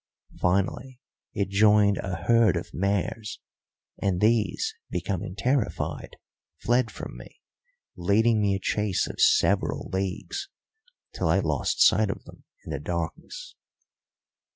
Finally it joined a herd of mares, and these, becoming terrified, fled from me, leading me a chase of several leagues, till I lost sight of them in the darkness."